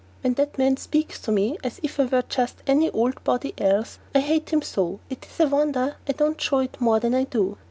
When that man speaks to me as if I were just any old body else, I hate him so it is a wonder I don't show it more than I do.